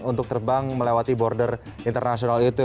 untuk terbang melewati border internasional itu